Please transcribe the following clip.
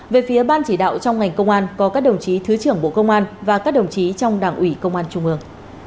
về phía ban chỉ đạo trong ngành công an có các đồng chí thứ trưởng bộ công an và các đồng chí trong đảng ủy công an trung ương